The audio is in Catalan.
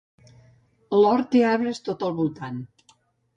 L'hort té arbres tot al voltant.